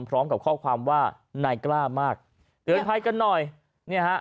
พร้อมกับข้อความว่านายกล้ามากเตือนภัยกันหน่อยเนี่ยฮะ